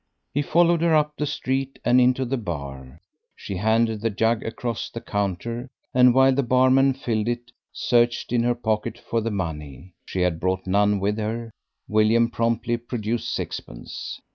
He followed her up the street, and into the bar. She handed the jug across the counter, and while the barman filled it searched in her pocket for the money. She had brought none with her. William promptly produced sixpence.